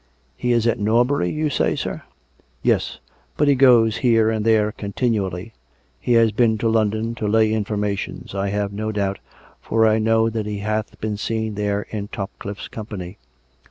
" He is at Norbury, you say, sir? "" Yes ; but he goes here and there continually. He has been to London to lay informations, I have no doubt, for I know that he hath been seen there in Topcliffe's company.